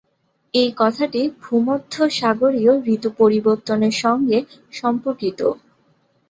এই কথাটি ভূমধ্যসাগরীয় ঋতু পরিবর্তনের সাথে সম্পর্কিত।